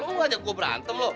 lo ngajak gue berantem lo